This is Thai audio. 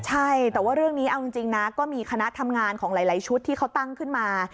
ใช่แต่ว่าเรื่องนี้เอาจริงนะก็มีคณะทำงานของหลายชุดที่เขาตั้งขึ้นมา